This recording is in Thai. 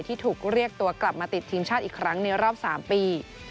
ที่ถูกเรียกตัวกลับมาติดทีมชาติอีกครั้งในรอบ๓ปี